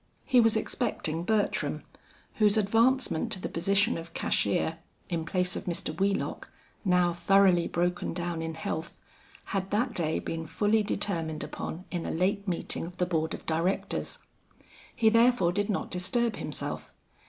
He was expecting Bertram, whose advancement to the position of cashier in place of Mr. Wheelock, now thoroughly broken down in health, had that day been fully determined upon in a late meeting of the Board of Directors. He therefore did not disturb himself.